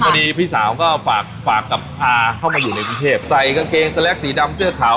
พี่สาวก็ฝากฝากกับอาเข้ามาอยู่ในกรุงเทพใส่กางเกงสแล็กสีดำเสื้อขาว